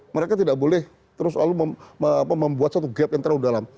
mereka tidak boleh terus lalu membuat satu gap yang terlalu dalam